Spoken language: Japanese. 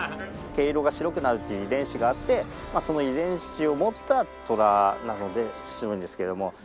毛色が白くなるっていう遺伝子があってその遺伝子を持ったトラなので白いんですけども。